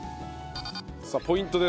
さあポイントです。